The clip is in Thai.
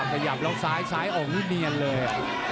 ขยับแล้วซ้ายซ้ายออกนี่เนียนเลย